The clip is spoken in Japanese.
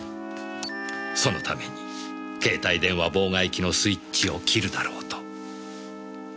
そのために携帯電話妨害機のスイッチを切るだろうと。